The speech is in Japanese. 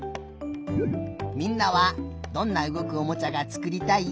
みんなはどんなうごくおもちゃがつくりたい？